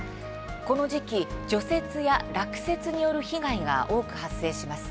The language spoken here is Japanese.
この時期、除雪や落雪による被害が多く発生します。